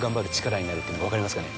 っていうのが分かりますかね？